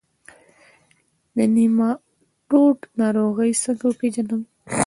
د نیماټوډ ناروغي څنګه وپیژنم؟